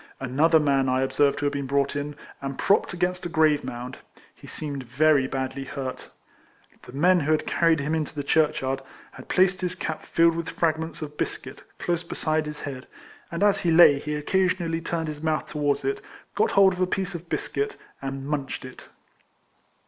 Another man I observed who had been brought in, and propped against a grave mound. He seemed very badly hurt. The men who had carried him into the church yard, had placed his cap filled with frag ments of biscuit close beside his head, and as he lay he occasionally turned his mouth towards it, got hold of a piece of biscuit, and munched it.